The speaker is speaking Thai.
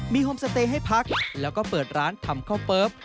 มีโฮมสเตย์ให้พักแล้วก็เปิดร้านทำข้าวเปิ๊บ